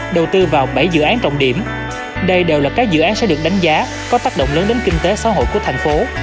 đầu tư vào bảy dự án trọng điểm đây đều là các dự án sẽ được đánh giá có tác động lớn đến kinh tế xã hội của thành phố